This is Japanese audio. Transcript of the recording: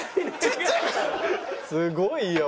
すごいよ。